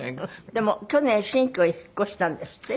でも去年新居へ引っ越したんですって？